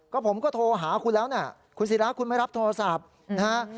ก็ผมก็โทรหาคุณแล้วนะคุณศิราคุณไม่รับโทรศัพท์นะฮะ